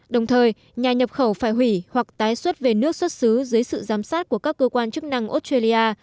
đồng thời nhà nhập khẩu phải hủy hoặc tái xuất về nước xuất xứ dưới sự giám sát của các cơ quan chức năng australia